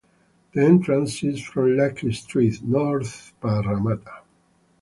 The entrance is from Lackey Street, North Parramatta.